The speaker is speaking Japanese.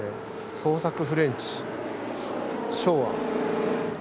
創作フレンチ松庵。